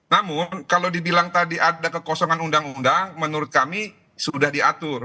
namun kalau dibilang tadi ada kekosongan undang undang menurut kami sudah diatur